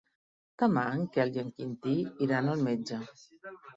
Demà en Quel i en Quintí iran al metge.